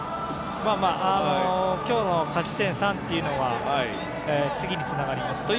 今日の勝ち点３というのは次につながります。